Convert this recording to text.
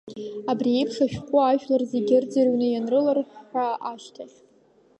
Абри еиԥш ашәҟу ажәлар зегьы ырӡырҩны ианрыларҳәа ашьҭахь…